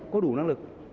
có đủ năng lực